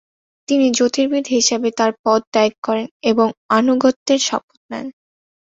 তিনি জ্যোতির্বিদ হিসেবে তার পদ ত্যাগ করেন এবং আনুগত্যের শপথ নেন।